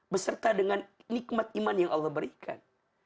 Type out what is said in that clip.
beserta dengan nikmat iman yang allah berikan